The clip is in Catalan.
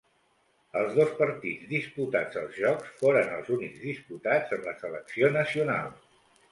Els dos partits disputats als Jocs foren els únics disputats amb la selecció nacional.